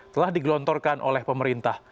telah digelontorkan oleh pemerintah